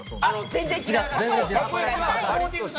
全然違う。